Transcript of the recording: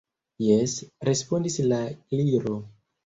"Jes," respondis la Gliro.